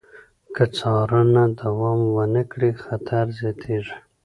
که څارنه دوام ونه کړي، خطر زیاتېږي.